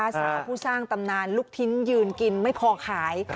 สาวผู้สร้างตำนานลูกชิ้นยืนกินไม่พอขาย